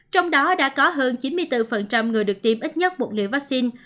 trong đó đã có hơn chín mươi bốn người được tiêm ít nhất một liều vaccine